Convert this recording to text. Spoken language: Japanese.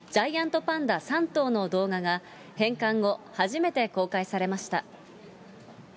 白浜町から中国に返還された、ジャイアントパンダ３頭の動画が、返還後初めて公開されました。